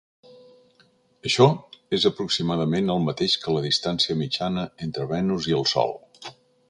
Això és aproximadament el mateix que la distància mitjana entre Venus i el sol.